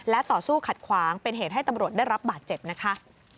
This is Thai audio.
และต่อสู้ขัดขวางเป็นเหตุให้ตำรวจได้รับบาดเจ็บนะคะ